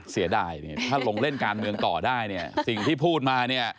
เสียดายถ้าลงเล่นการเมืองต่อได้สิ่งที่พูดมา